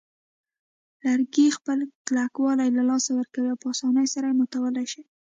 لرګي خپل کلکوالی له لاسه ورکوي او په آسانۍ سره ماتولای شي.